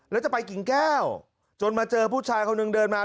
แล้วจะไปกิ่งแก้วจนมาเจอผู้ชายคนหนึ่งเดินมา